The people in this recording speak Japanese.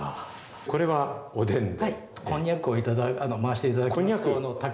これはおでんで？